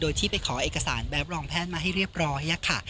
โดยที่ไปขอเอกสารแบบรองแพทย์มาให้เรียบร้อยค่ะ